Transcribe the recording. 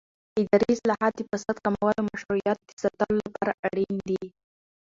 اداري اصلاحات د فساد کمولو او مشروعیت د ساتلو لپاره اړین دي